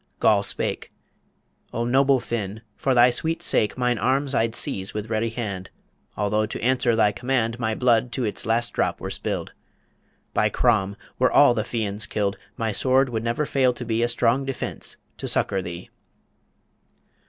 Goll spake "O noble Finn, for thy sweet sake Mine arms I'd seize with ready hand, Although to answer thy command My blood to its last drop were spilled By Crom! were all the Fians killed, My sword would never fail to be A strong defence to succour thee."